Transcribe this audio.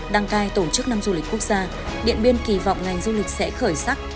đăng cai tổ chức năm du lịch quốc gia điện biên kỳ vọng ngành du lịch sẽ khởi sắc